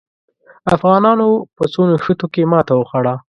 افغانانو په څو نښتو کې ماته وخوړه.